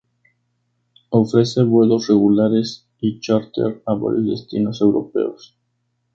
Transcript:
Ofrece vuelos regulares y chárter a varios destinos europeos.